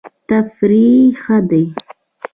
تفریح ښه دی.